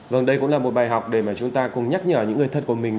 vâng đây cũng là một bài học để mà chúng ta cùng nhắc nhở những người thân của mình